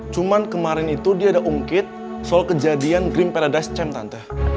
cuman kemarin itu dia ada ungkit soal kejadian green paradise champ tante